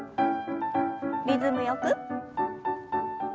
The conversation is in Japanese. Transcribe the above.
リズムよく。